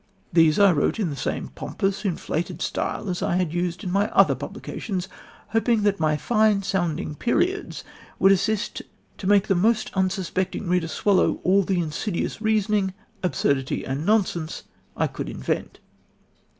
These I wrote in the same pompous, inflated style as I had used in my other publications, hoping that my fine high sounding periods would assist to make the unsuspecting reader swallow all the insidious reasoning, absurdity and nonsense I could invent."